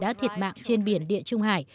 đã thiệt mạng trên biển địa trung hải